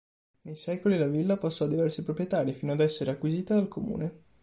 Nei secoli la villa passò a diversi proprietari, fino ad essere acquisita dal Comune.